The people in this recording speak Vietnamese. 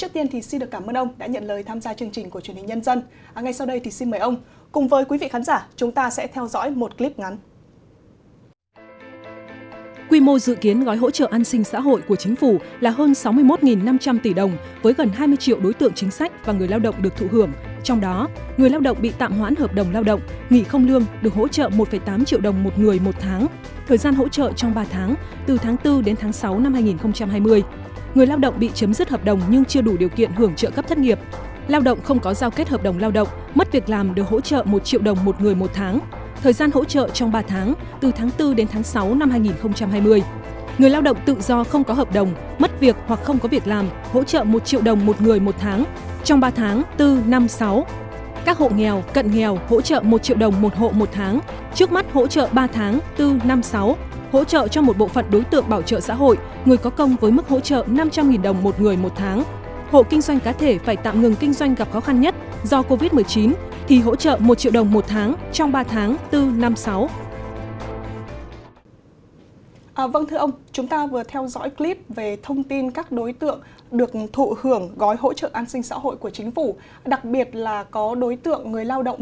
trước tiên thì xin được cảm ơn ông đã nhận lời tham gia chương trình của truyền hình nhân dân ngay sau đây thì xin mời ông